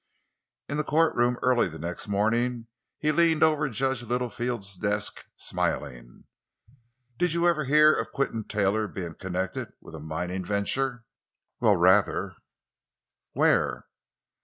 In the courtroom early the next morning he leaned over Judge Littlefield's desk, smiling. "Did you ever hear of Quinton Taylor being connected with a mining venture?" "Well, rather." "Where?"